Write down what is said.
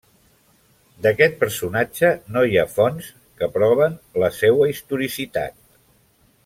D'aquest personatge no hi ha fonts que proven la seua historicitat.